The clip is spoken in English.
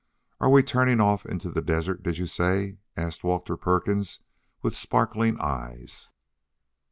"Are we turning off into the desert, did you say?" asked Walter Perkins, with sparkling eyes.